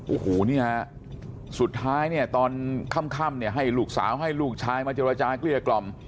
โอ้โหนี่ฮะสุดท้ายเนี่ยตอนค่ำเนี่ยให้ลูกสาวให้ลูกชายมาเจรจาเกลี้ยกล่อม